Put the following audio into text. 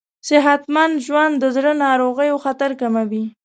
صحتمند ژوند د زړه ناروغیو خطر کموي.